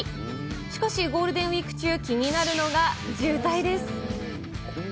しかし、ゴールデンウィーク中、気になるのが渋滞です。